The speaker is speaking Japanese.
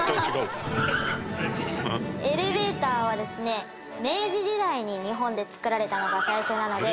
エレベーターはですね明治時代に日本で作られたのが最初なので。